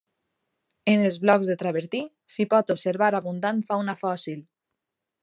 En els blocs de travertí s'hi pot observar abundant fauna fòssil.